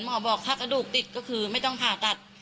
หมอบอกถ้ากระดูกติดก็คือไม่ต้องผ่าตัด